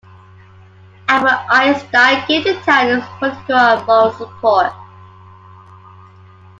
Albert Einstein gave the town his political and moral support.